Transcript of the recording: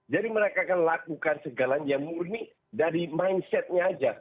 jadi mereka akan lakukan segalanya munih dari mindset nya saja